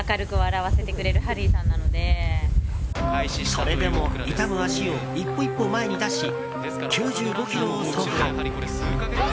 それでも痛む足を一歩一歩、前に出し９５ｋｍを走破。